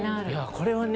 これはね